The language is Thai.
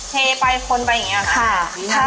เทไปคนไปอย่างนี้ค่ะ